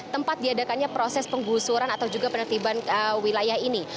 tempat diadakannya proses penggusuran atau juga penertiban wilayah ini